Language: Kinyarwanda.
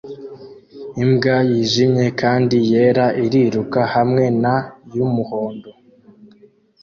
Imbwa yijimye kandi yera iriruka hamwe na yumuhondo